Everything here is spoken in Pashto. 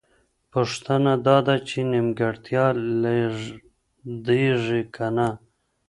پوښتنه دا ده چې نیمګړتیا لېږدېږي که نه؟